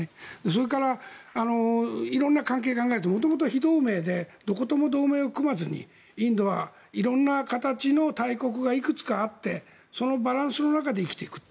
それから色んな関係を考えると元々、非同盟でどことも同盟を組まずにインドは色んな形の大国がいくつかあってそのバランスの中で生きていく。